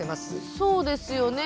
そうですよね。